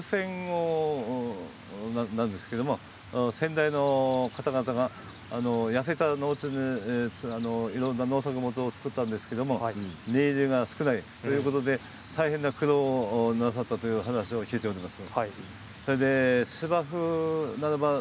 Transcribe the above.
終戦後なんですけど先代の方々が痩せた農地をいろいろな農作物を作ったんですけれど身入りが少ないということで大変な苦労をなさったという話を聞いています。